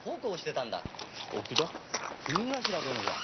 組頭殿だ。